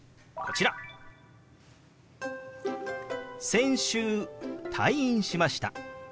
「先週退院しました」。